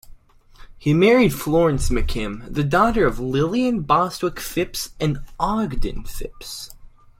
He married Florence McKim, the daughter of Lillian Bostwick Phipps and Ogden Phipps.